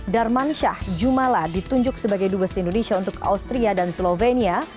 darman syah jumala ditunjuk sebagai dubes indonesia untuk austria dan slovenia